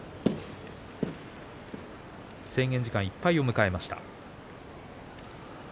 制限時間いっぱいを迎えました。